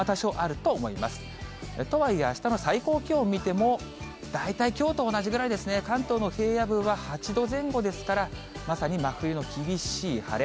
とはいえ、あしたの最高気温見ても、大体きょうと同じぐらいですね、関東の平野部は８度前後ですから、まさに真冬の厳しい晴れ。